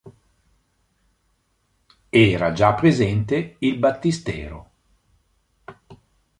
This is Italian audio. Era già presente il battistero.